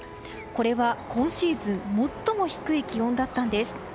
これは今シーズン最も低い気温だったんです。